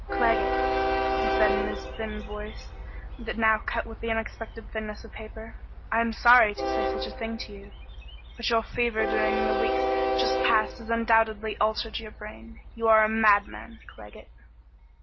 "Claggett," he said in his thin voice that cut now with the unexpected thinness of paper, "I am sorry to say such a thing to you, but your fever during the weeks just past has undoubtedly altered your brain. You are a madman, Claggett."